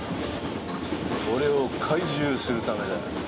俺を懐柔するためだよ。